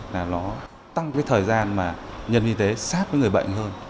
là nó tăng cái thời gian mà nhân viên y tế sát với người bệnh hơn